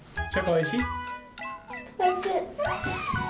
おいしい！